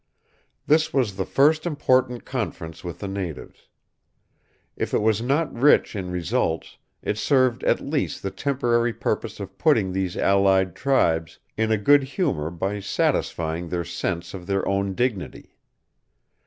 This was the first important conference with the natives. If it was not rich in results, it served at least the temporary purpose of putting these allied tribes in a good humor by satisfying their sense of their own dignity.